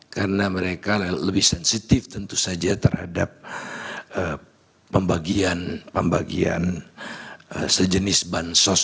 karena mereka lebih sensitif tentu saja terhadap pembagian pembagian sejenis bansos